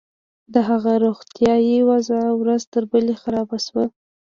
د هغه روغتيايي وضعيت ورځ تر بلې خراب شو.